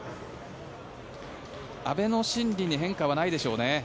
阿部の心理に変化はないでしょうね。